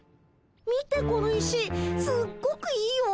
見てこの石すっごくいいよ。